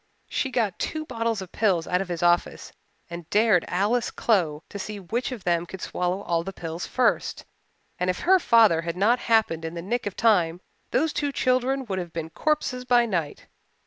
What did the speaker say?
She got two bottles of pills out of his office and dared Alice Clow to see which of them could swallow all the pills first, and if her father had not happened in the nick of time those two children would have been corpses by night.